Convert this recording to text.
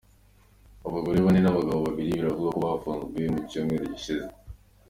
Abagore bane n'abagabo babiri biravugwa ko bafunzwe mu cyumweru gishize.